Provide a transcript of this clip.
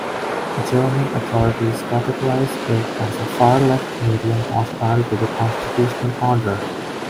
German authorities categorize it as a far-left medium hostile to the constitutional order.